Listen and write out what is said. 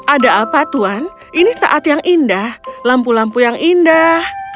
ada apa tuhan ini saat yang indah lampu lampu yang indah